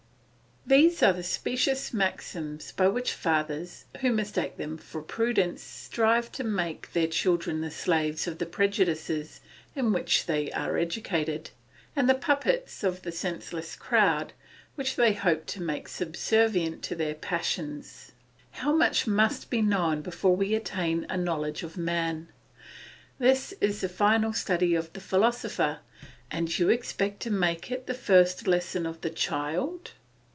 These are the specious maxims by which fathers, who mistake them for prudence, strive to make their children the slaves of the prejudices in which they are educated, and the puppets of the senseless crowd, which they hope to make subservient to their passions. How much must be known before we attain to a knowledge of man. This is the final study of the philosopher, and you expect to make it the first lesson of the child!